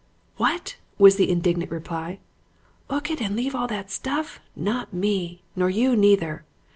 "'What!' was the indignant reply. ''Ook it and leave all that stuff. Not me! Nor you neither.